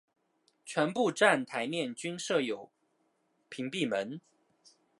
全部站台面均设有屏蔽门。